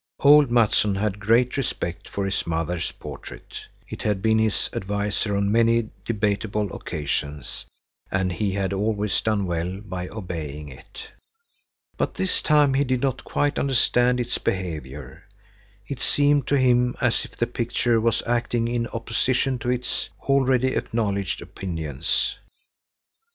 Old Mattsson had great respect for his mother's portrait. It had been his adviser on many debatable occasions, and he had always done well by obeying it. But this time he did not quite understand its behavior. It seemed to him as if the picture was acting in opposition to its already acknowledged opinions.